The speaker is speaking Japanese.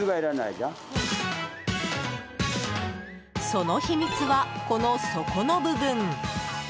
その秘密は、この底の部分。